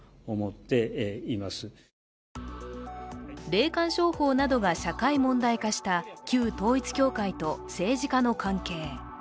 霊感商法などが社会問題化した旧統一教会と政治家の関係。